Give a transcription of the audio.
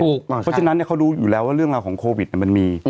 เพราะฉะนั้นเขารู้อยู่แล้วว่าเรื่องราวของโควิดมันมี